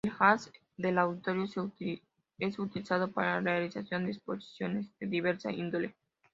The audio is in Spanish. El hall del Auditorio es utilizado para la realización de exposiciones de diversa índole.